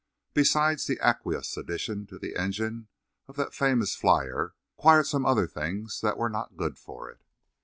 Besides the aqueous addition the engine of that famous flyer acquired some other things that were not good for it.